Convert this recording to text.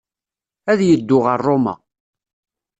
Ad yeddu ɣer Roma.